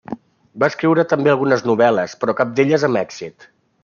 Va escriure també algunes novel·les, però cap d'elles amb èxit.